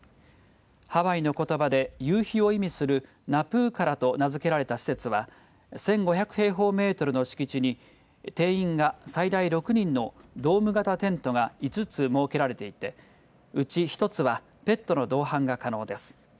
ハワイのことばで夕日を意味するナプーカラと名付けられた施設は１５００平方メートルの敷地に定員が最大６人のドーム型テントが５つ設けられていてうち一つはペットの同伴が可能です。